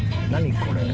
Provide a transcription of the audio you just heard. これ。